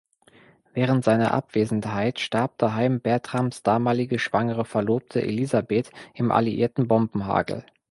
Während seiner Abwesenheit starb daheim Bertrams damalige schwangere Verlobte Elisabeth im alliierten Bombenhagel.